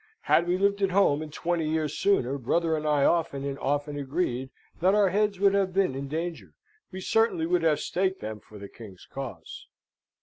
"Had we lived at home, and twenty years sooner, brother and I often and often agreed that our heads would have been in danger. We certainly would have staked them for the king's cause."